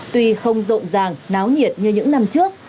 tuy không rộn ràng náo nhiệt như những năm trước